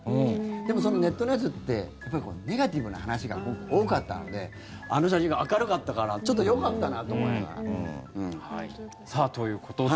でも、そのネットのやつってなんかネガティブな話が多かったのであの写真が明るかったからちょっとよかったなと思いながら。ということで。